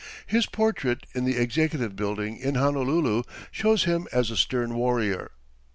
His portrait in the Executive Building in Honolulu shows him as a stern warrior.